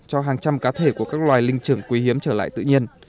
cho hàng trăm cá thể của các loài linh trưởng quý hiếm trở lại tự nhiên